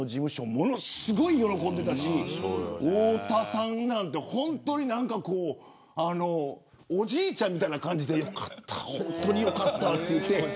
ものすごい喜んでいたし太田さんなんて本当におじいちゃんみたいな感じで本当に良かったって。